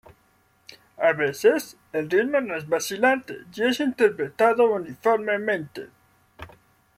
A veces, el ritmo no es vacilante y es interpretado uniformemente.